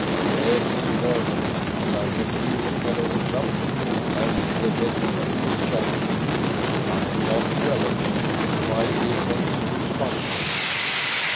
Yes, Vernon, and I believe the fellow looks up to you as the head of the establishment. I am not jealous. Provided he attends to his functions!